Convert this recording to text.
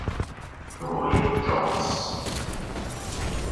Joey Jones